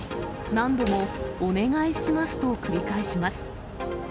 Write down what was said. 何度もお願いしますと繰り返します。